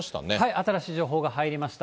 新しい情報が入りました。